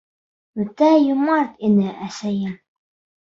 Үтә йомарт ине әсәйем.